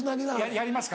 やりますか？